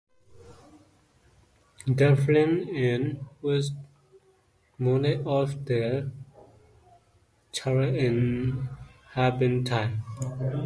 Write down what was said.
The film ends with a montage of the characters in happier times.